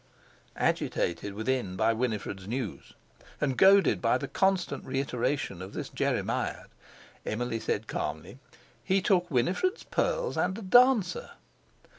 Agitated within by Winifred's news, and goaded by the constant reiteration of this jeremiad, Emily said calmly: "He took Winifred's pearls and a dancer."